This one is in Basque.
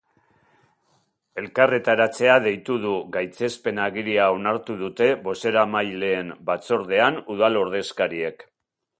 Elkarretaratzea deitu du gaitzespen-agiria onartu dute bozeramaileen batzordean udal ordezkariek.